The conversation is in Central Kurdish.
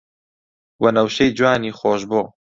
وەنەوشەی جوانی خۆشبۆ